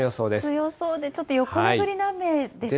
強そうで、ちょっと横殴りの雨ですかね。